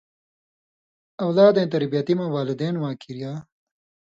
اؤلادَیں تربیتی مہ والدین واں کریا